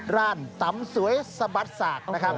ร้านตำสวยสะบัดสากนะครับ